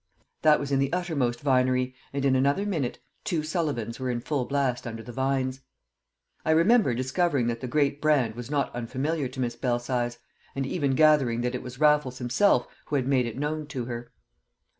That was in the uttermost vinery, and in another minute two Sullivans were in full blast under the vines. I remember discovering that the great brand was not unfamiliar to Miss Belsize, and even gathering that it was Raffles himself who had made it known to her.